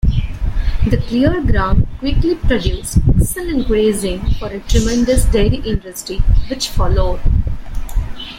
The cleared ground quickly produced excellent grazing for a tremendous dairy industry which followed.